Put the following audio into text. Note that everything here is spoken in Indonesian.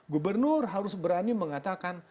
gubernur harus berani mengatakan